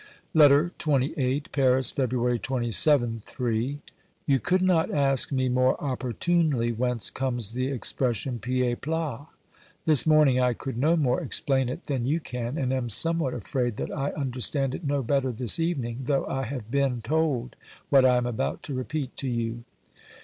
LETTER XXVni Paris, Fehrttary 27 (III). You could not ask me more opportunely whence comes the expression pied plat. This morning I could no more explain it than you can, and am somewhat afraid that I understand it no better this evening, though I have been told what I am about to repeat to you.